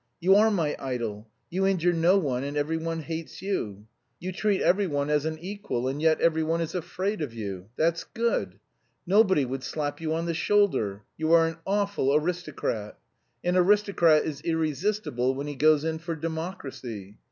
You are my idol! You injure no one, and every one hates you. You treat every one as an equal, and yet every one is afraid of you that's good. Nobody would slap you on the shoulder. You are an awful aristocrat. An aristocrat is irresistible when he goes in for democracy!